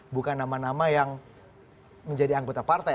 bukan nama nama yang menjadi anggota partai